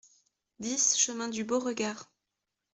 dix chemin du Beauregard